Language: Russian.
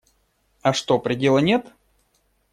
А что, предела нет?